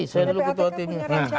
saya dulu ketuatim